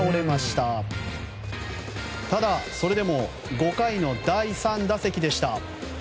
ただ、それでも５回の第３打席でした。